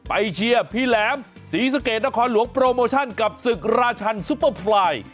เชียร์พี่แหลมศรีสะเกดนครหลวงโปรโมชั่นกับศึกราชันซุปเปอร์ไฟล์